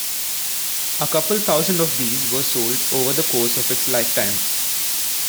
A couple thousand of these were sold over the course of its lifetime.